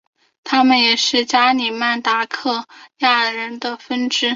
他们也是加里曼丹达雅克人的分支。